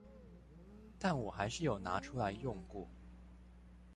但我還是有拿出來用過